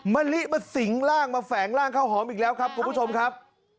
มะลิมาสิงร่างมาแฝงร่างข้าวหอมอีกแล้วครับคุณผู้ชมครับ